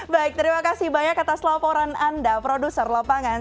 baik terima kasih banyak atas laporan anda produser lapangan